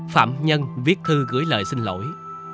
phạm nhân viết thư gửi lời xin lỗi